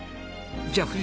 じゃあ藤